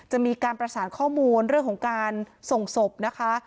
จะมีการประสานข้อมูลเรื่องของการส่งศพนะคะ